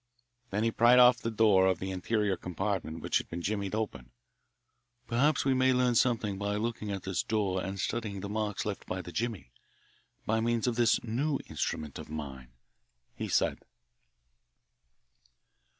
Then he pried off the door of the interior compartment which had been jimmied open. "Perhaps we may learn something by looking at this door and studying the marks left by the jimmy, by means of this new instrument of mine," he said.